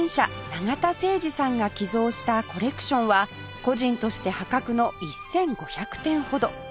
永田生慈さんが寄贈したコレクションは個人として破格の１５００点ほど